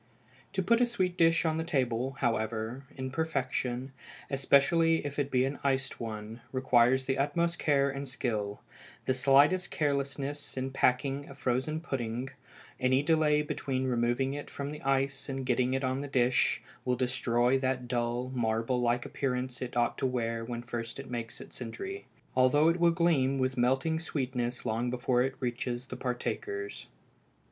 To put a sweet dish on the table, however, in perfection, especially if it be an iced one, requires the utmost care and skill; the slightest carelessness in packing a frozen pudding, any delay between removing it from the ice and getting it on the dish, will destroy that dull, marble like appearance it ought to wear when first it makes its entry, although it will gleam with melting sweetness long before it reaches the partakers.